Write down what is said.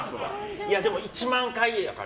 いやでも、１万回やから。